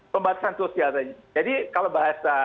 pembatasan sosial saja jadi kalau bahasa